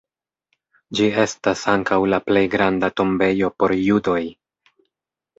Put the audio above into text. Ĝi estas ankaŭ la plej granda tombejo por judoj.